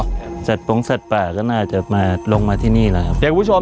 แต่จากโต๊งสัตว์ป่าก็น่าจะมาลงมาที่นี่แหละครับเดี๋ยวพูดชม